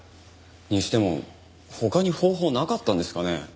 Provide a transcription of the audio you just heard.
にしても他に方法なかったんですかね。